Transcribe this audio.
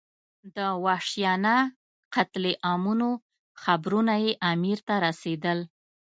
د وحشیانه قتل عامونو خبرونه یې امیر ته رسېدل.